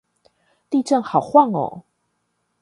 地震好晃喔